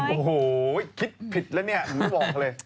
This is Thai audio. โอ้โหคิดผิดแล้วเนี่ยผมบอกเลย